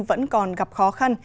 vẫn còn gặp khó khăn